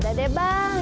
udah deh bang